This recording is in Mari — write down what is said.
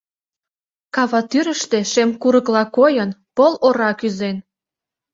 Кава тӱрыштӧ, шем курыкла койын, пыл ора кӱзен.